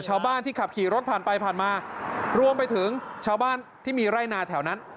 ชาวบ้านที่ขับขี่รถผ่านไปผ่านมารวมไปถึงชาวบ้านที่มีไร่นาแถวนั้น